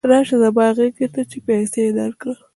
راشه زما غېږې ته چې پیسې درکړم.